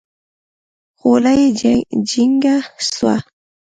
خوله يې جينګه سوه.